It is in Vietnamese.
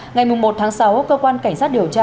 ngày một mươi một tháng sáu cơ quan cảnh sát điều tra